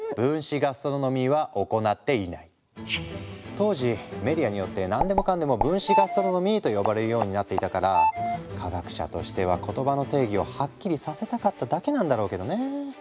当時メディアによって何でもかんでも分子ガストロノミーと呼ばれるようになっていたから科学者としては言葉の定義をはっきりさせたかっただけなんだろうけどね。